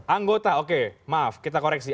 anggota oke maaf kita koreksi